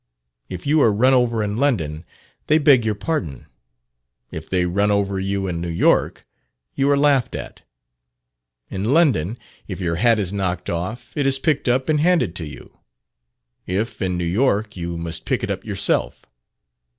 If you are run over in London, they "beg your pardon;" if they run over you in New York, you are "laughed at:" in London, if your hat is knocked off it is picked up and handed to you; if, in New York, you must pick it up yourself.